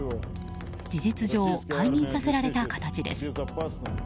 事実上解任させられた形です。